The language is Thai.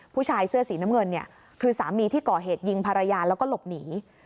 ผู้ชายเสื้อสีน้ำเงินเนี่ยคือสามีที่ก่อเหตุยิงภรรยาแล้วก็หลบหนี